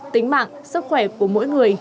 tính mạng sức khỏe của mỗi người